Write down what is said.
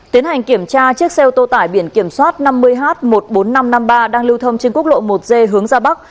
tiến hành kiểm tra chiếc xe ô tô tải biển kiểm soát năm mươi h một mươi bốn nghìn năm trăm năm mươi ba đang lưu thông trên quốc lộ một d hướng ra bắc